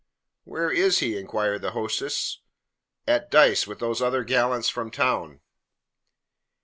"Where is he?" inquired the hostess. "At dice with those other gallants from town."